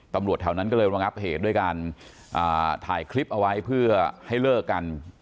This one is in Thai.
ตำรวจแถวนั้นก็เลยระงับเหตุด้วยการถ่ายคลิปเอาไว้เพื่อให้เลิกกัน